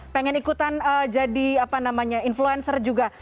pengen ikutan jadi apa namanya influencer juga